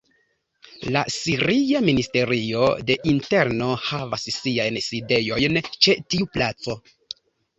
La Siria Ministerio de Interno havas siajn sidejojn ĉe tiu placo.